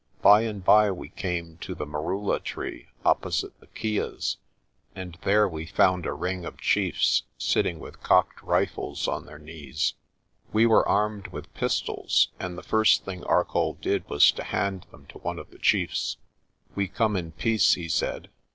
By and by we came to the merula tree opposite the kyas and there we found a ring of chiefs, sitting with cocked rifles on their knees. We were armed with pistols and the first thing Arcoll did was to hand them to one of the chiefs. "We come in peace," he said.